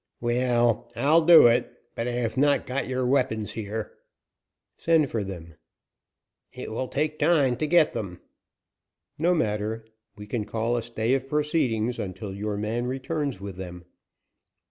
"Well, I'll do it, but I have not got your weapons here." "Send for them." "It will take time to get them." "No matter, we can call a stay of proceedings until your man returns with them."